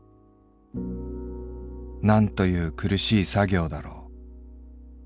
「何という苦しい作業だろう。